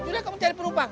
sudah kamu cari pelu bang